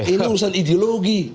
ini urusan ideologi